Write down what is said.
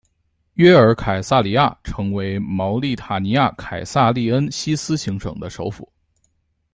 约尔凯撒里亚成为茅利塔尼亚凯撒利恩西斯行省的首府。